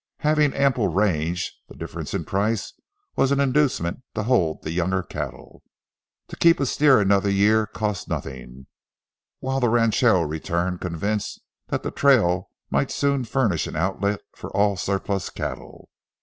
Having ample range, the difference in price was an inducement to hold the younger cattle. To keep a steer another year cost nothing, while the ranchero returned convinced that the trail might soon furnish an outlet for all surplus cattle.